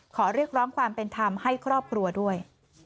ขอเรียกร้องความเป็นธรรมให้ครอบครัวด้วย